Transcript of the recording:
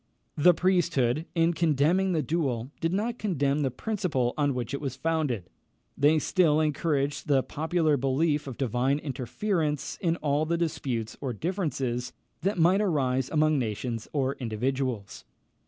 The priesthood, in condemning the duel, did not condemn the principle on which it was founded. They still encouraged the popular belief of divine interference in all the disputes or differences that might arise among nations or individuals.